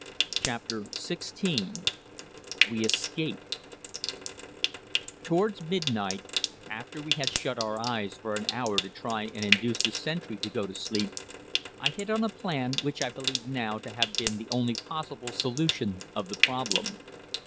CHAPTER XVI WE ESCAPE Towards midnight, after we had shut our eyes for an hour to try and induce the sentry to go to sleep, I hit on a plan, which I believe now to have been the only possible solution of the problem.